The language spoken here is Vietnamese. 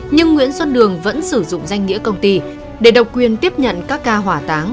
nhưng nguyễn xuân đường vẫn sử dụng danh nghĩa công ty để độc quyền tiếp nhận các ca hỏa táng